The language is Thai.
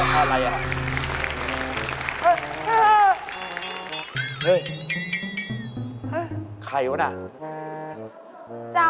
ใครตายเขา